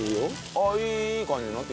あっいい感じになってきた。